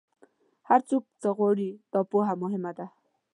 هر څوک څه غواړي، دا پوهه مهمه ده.